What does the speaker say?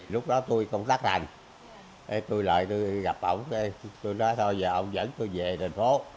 lúc đó tôi công tác lành tôi lại gặp ông tôi nói thôi giờ ông dẫn tôi về thành phố